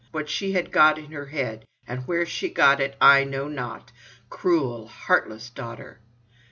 What she had got in her head, and where she got it, I know not. Cruel, heartless daughter!"